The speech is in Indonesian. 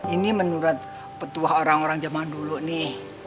ini menurut petua orang orang jaman dulu nih